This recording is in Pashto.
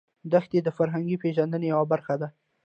دښتې د فرهنګي پیژندنې یوه برخه ده.